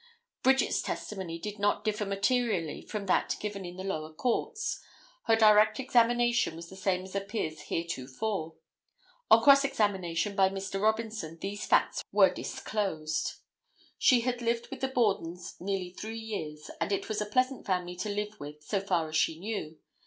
Bridget's testimony did not differ materially from that given in the lower courts. Her direct examination was the same as appears heretofore. On cross examination by Mr. Robinson these facts were disclosed. She had lived with the Bordens nearly three years and it was a pleasant family to live with so far as she knew.